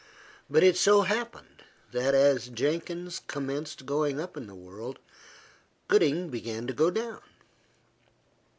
But it so happened, that as Jenkins commenced going up in the world, Gooding began to go down.